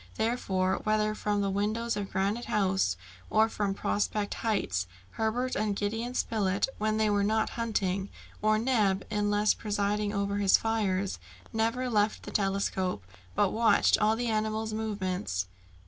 Therefore, whether from the windows of Granite House, or from Prospect Heights, Herbert and Gideon Spilett, when they were not hunting, or Neb unless presiding over his fires, never left the telescope, but watched all the animal's movements.